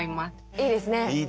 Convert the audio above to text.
いいですね！